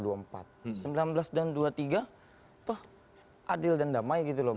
sembilan belas dan dua puluh tiga toh adil dan damai gitu loh